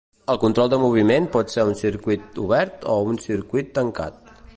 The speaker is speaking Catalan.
El control de moviment pot ser un circuit obert o un circuit tancat.